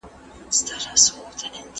خلګ وايي چي باسواده کسان راښکونکي وي.